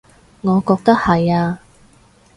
我覺得係呀